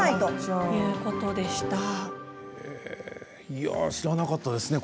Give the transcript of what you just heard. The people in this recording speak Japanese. いや、知らなかったですね